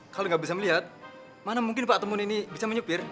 kalau nggak bisa melihat mana mungkin pak temun ini bisa menyepir